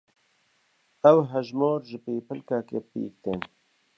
Ev hejmar ji pêpilkekê pêk tên.